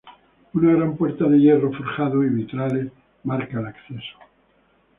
Una gran puerta de fierro forjado y vitrales marca el acceso.